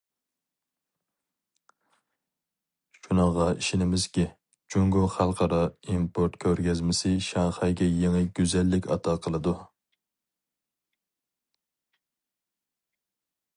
شۇنىڭغا ئىشىنىمىزكى، جۇڭگو خەلقئارا ئىمپورت كۆرگەزمىسى شاڭخەيگە يېڭى گۈزەللىك ئاتا قىلىدۇ.